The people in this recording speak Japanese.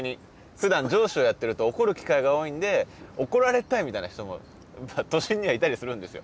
ふだん上司をやってると怒る機会が多いんで怒られたいみたいな人も都心にはいたりするんですよ。